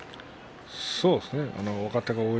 そうですね。